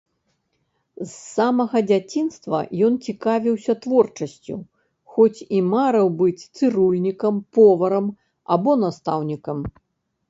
З самага дзяцінства ён цікавіўся творчасцю, хоць і марыў быць цырульнікам, поварам або настаўнікам.